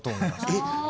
えっ！